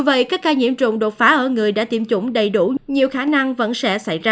dù vậy các ca nhiễm chủng đột phá ở người đã tiêm chủng đầy đủ nhiều khả năng vẫn sẽ xảy ra